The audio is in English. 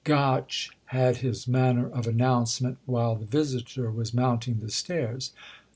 Gotch had his manner of announcement while the visitor was mounting the stairs.